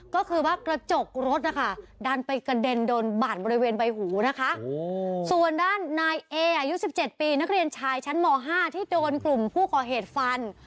ก็คือว่ากระจกรถนะคะดันไปกระเด็นโดนบาดบริเวณใบหูนะคะส่วนด้านนายเออายุ๑๗ปีนักเรียนชายชั้นม๕ที่โดนกลุ่มผู้ก่อเหตุฟัน